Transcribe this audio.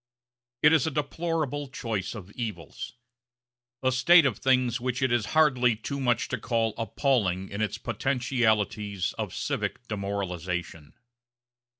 It is a deplorable choice of evils; a state of things which it is hardly too much to call appalling in its potentialities of civic demoralization.